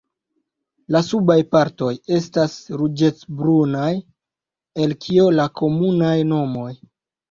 La subaj partoj estas ruĝecbrunaj, el kio la komunaj nomoj.